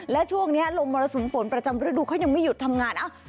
และช่วงนี้ลมมรสุมฝนประจำฤดูเขายังไม่หยุดทำงาน